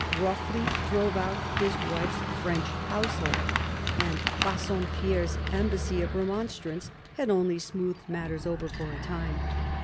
roughly drove out his wife's French household ; and Bassompierre's embassy of remonstrance had only smoothed matters over for the time.